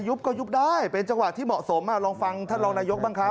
ก็ยุบได้เป็นจังหวะที่เหมาะสมลองฟังท่านรองนายกบ้างครับ